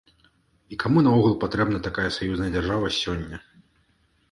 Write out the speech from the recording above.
І каму наогул патрэбна такая саюзная дзяржава сёння?